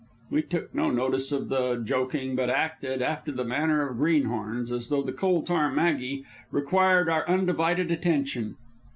We took no notice of the joking, but acted, after the manner of greenhorns, as though the Coal Tar Maggie required our undivided attention.